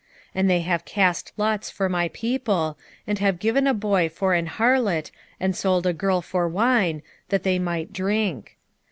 3:3 And they have cast lots for my people; and have given a boy for an harlot, and sold a girl for wine, that they might drink.